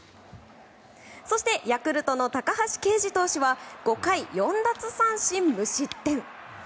そしてヤクルトの高橋奎二投手は５回４奪三振無失点。